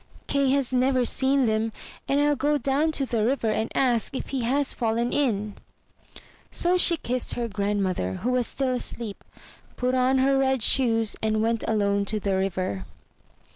"Kay has never seen them; then Fll go down to the river and ask if he has fallen in." So she kissed her grandmother, who was still asleep, put on her red shoes, and went alone to the river.